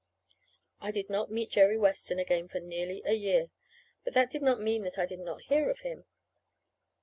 I did not meet Jerry Weston again for nearly a year; but that did not mean that I did not hear of him.